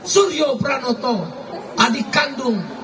suryo pranoto adik kandung